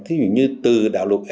thí dụ như từ đạo luật